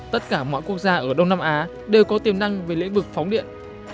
tất cả mọi quốc gia ở đông nam á đều có tiềm năng về lĩnh vực phóng điện